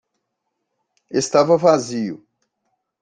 Estava vazio.